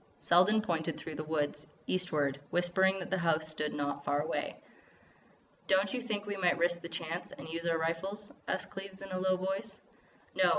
Selden pointed through the woods, eastward, whispering that the house stood there not far away. "Don't you think we might risk the chance and use our rifles?" asked Cleves in a low voice. "No.